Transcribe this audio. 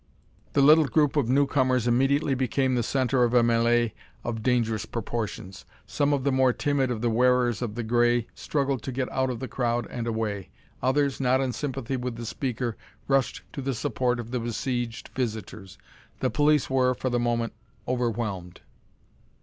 The little group of newcomers immediately became the center of a mêlée of dangerous proportions. Some of the more timid of the wearers of the gray struggled to get out of the crowd and away. Others, not in sympathy with the speaker, rushed to the support of the besieged visitors. The police were, for the moment, overwhelmed.